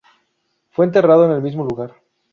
Fue enterrado en el mismo lugar.